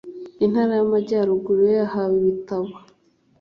intara y’amajyaruguru yo yahawe ibitabo